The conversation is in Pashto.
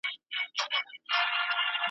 نه یې له تیارې نه له رڼا سره !.